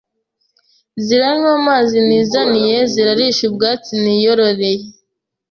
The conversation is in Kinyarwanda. Ziranywa amazi nizaniye zirarisha ubwatsi niyororeye